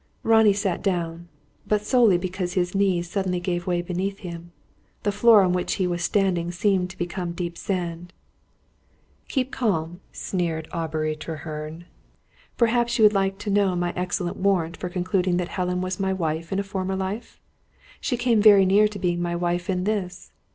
Ronnie sat down; but solely because his knees suddenly gave way beneath him. The floor on which he was standing seemed to become deep sand. "Keep calm," sneered Aubrey Treherne. "Perhaps you would like to know my excellent warrant for concluding that Helen was my wife in a former life? She came very near to being my wife in this.